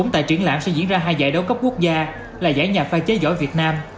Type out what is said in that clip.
cũng tại triển lãm sẽ diễn ra hai giải đấu cấp quốc gia là giải nhà pha chế giỏi việt nam